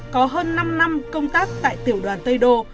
có hơn năm năm công tác tại tiểu đoàn tây đô